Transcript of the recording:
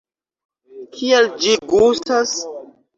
Kiel ĝi gustas?